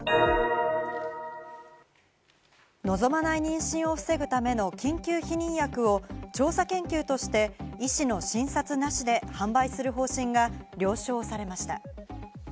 望まない妊娠を防ぐための緊急避妊薬を調査研究として医師の診察なしで販売する方針が了承されました。